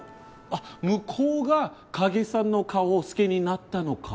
向こうが影さんの顔を好きになったのか。